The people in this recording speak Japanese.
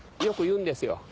よく言うんですよ。